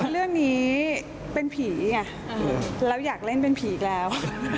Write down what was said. เรื่องนี้เป็นผีไงแล้วอยากเล่นเป็นผีอีกแล้ว